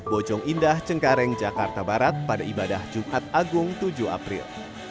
bojong indah cengkareng jakarta barat pada ibadah jumat agung tujuh april